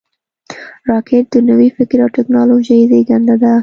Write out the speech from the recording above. راکټ د نوي فکر او ټېکنالوژۍ زیږنده ده